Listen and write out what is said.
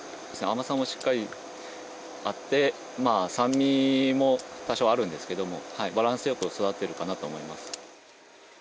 甘さもしっかりあって、酸味も多少あるんですけども、バランスよく育ってるかなと思います。